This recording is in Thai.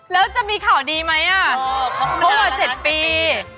แล้วจะมีข่าวดีไหมอ่ะเพราะว่า๗ปี